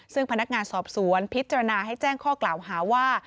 ซึ่งพนักงานสอบสวนพิจารณาให้แจ้งข้อกล่าวหาว่า